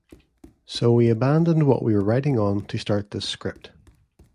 So we abandoned what we were writing on to start this script.